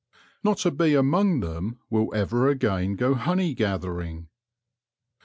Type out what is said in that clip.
Not a bee among them will ever again go honey gathering.